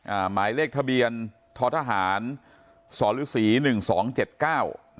หมายเลขทะเบียนท้อทหารสฤษีหนึ่งสองเจ็ดเก้า